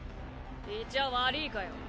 いちゃ悪ぃかよ。